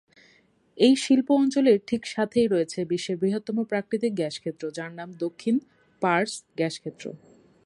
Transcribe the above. এই শিল্প অঞ্চলের ঠিক সাথেই রয়েছে বিশ্বের বৃহত্তম প্রাকৃতিক গ্যাস ক্ষেত্র, যার নাম দক্ষিণ পার্স গ্যাসক্ষেত্র।